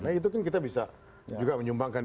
nah itu kan kita bisa juga menyumbangkan